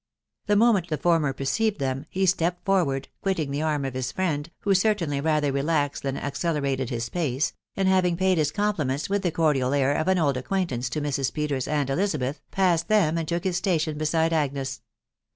The moment the former perceived them, he stepped forward, quitting the arm of his friend, who certainly rather relaxed than accelerated his pace, and having paid his compliments with the cordial air of an old acquaintance to Mrs. Peters and Elizabeth, passed them and took his station beside Agnes.